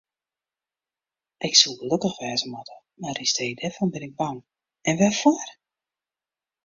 Ik soe gelokkich wêze moatte, mar yn stee dêrfan bin ik bang, en wêrfoar?